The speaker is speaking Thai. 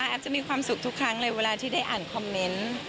แอฟจะมีความสุขทุกครั้งเลยเวลาที่ได้อ่านคอมเมนต์